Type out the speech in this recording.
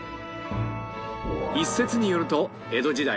一節によると江戸時代